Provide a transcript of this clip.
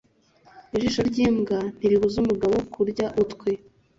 Ijisho ry’imbwa ntiribuza umugabo kurya utwe.